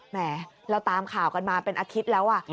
แหมเราตามข่าวกันมาเป็นอาทิตย์แล้ว